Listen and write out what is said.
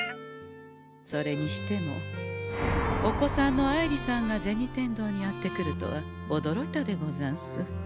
それにしてもお子さんの愛梨さんが銭天堂にやって来るとはおどろいたでござんす。